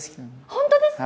本当ですか？